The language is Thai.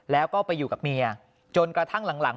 แล้วก็ไปอยู่กับเมียจนกระทั่งหลัง